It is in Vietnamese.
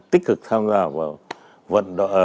tích cực tham gia vào